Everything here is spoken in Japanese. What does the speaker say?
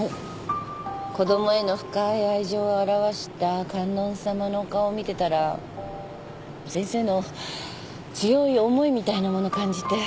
子供への深い愛情を表した観音様のお顔を見てたら先生の強い思いみたいなもの感じて。